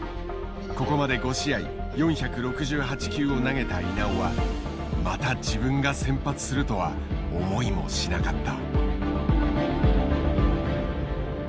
ここまで５試合４６８球を投げた稲尾はまた自分が先発するとは思いもしなかった。